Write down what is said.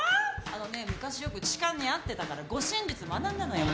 あのね昔よく痴漢に遭ってたから護身術学んだのよ